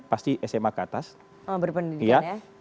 pasti sma ke atas ya